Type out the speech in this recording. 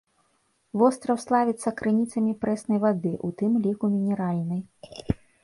Востраў славіцца крыніцамі прэснай вады, у тым ліку мінеральнай.